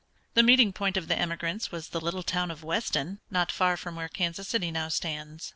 The meeting point of the emigrants was the little town of Weston, not far from where Kansas City now stands.